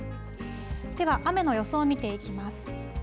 では、雨の予想を見ていきます。